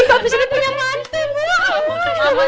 habis ini punya mantan